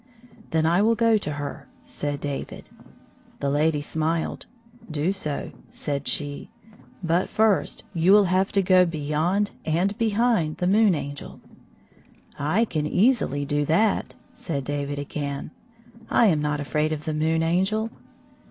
" Then I will go to her," said David. The lady smiled. " Do so," said she. " But first you will have to go beyond and behind the Moon Angel." " I can easily do that," said David again. " I am not afi aid of the Moon Angel."